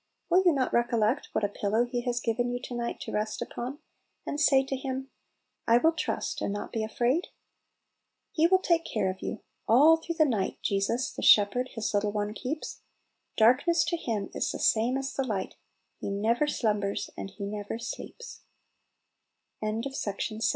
Will you not recollect what a pillow He has given you to night to rest upon, and say to Him, " I will trust, and not be afraid "? 'He will take care of you I All through the night Jesus, the Shepherd, His little one keeps: Darkness to Him is the same as the light; He never slumbers